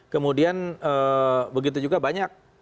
kemudian begitu juga banyak